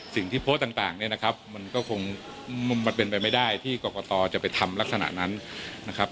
โพสต์ต่างเนี่ยนะครับมันก็คงมันเป็นไปไม่ได้ที่กรกตจะไปทำลักษณะนั้นนะครับ